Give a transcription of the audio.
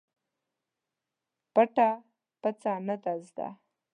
پټه پڅه نه ده زده.